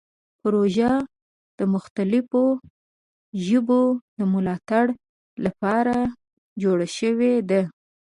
پروژه د مختلفو ژبو د ملاتړ لپاره جوړه شوې ده.